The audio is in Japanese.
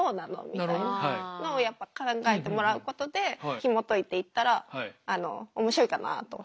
みたいなのをやっぱ考えてもらうことでひもといていったらあの面白いかなと。